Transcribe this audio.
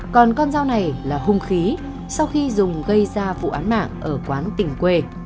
còn con dao này là hung khí sau khi dùng gây ra vụ án mạng ở quán tỉnh quê